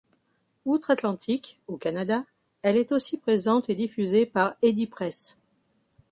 Outre-Atlantique, au Canada, elle est aussi présente et diffusée par Edipresse.